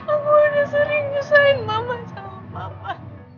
aku sering nyeselin mama sama mama